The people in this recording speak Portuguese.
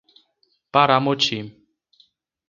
Paramoti